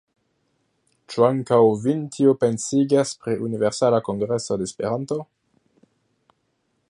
Ĉu ankaŭ vin tio pensigas pri Universala Kongreso de Esperanto?